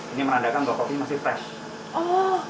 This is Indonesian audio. ini menandakan bahwa kopi masih fresh